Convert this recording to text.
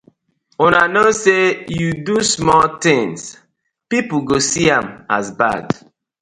Una kno say yu do small tins e go pipu go see am as bad.